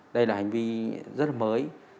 đây là hành vi rất là mới